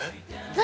何？